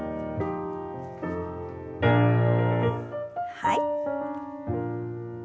はい。